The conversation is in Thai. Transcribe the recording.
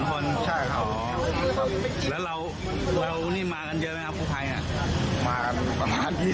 ที่เจอเจอแต่มะแรงสาวครับพี่